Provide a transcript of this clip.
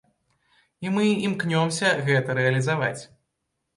І мы імкнёмся гэта рэалізаваць.